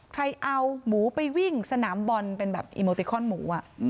ใครเอาหมูไปวิ่งสนามบอลเป็นแบบอีโมติคอนหมู